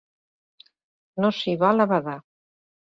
No s'hi val a badar.